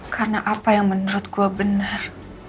karena apa yang menurut gue bener